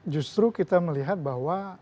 justru kita melihat bahwa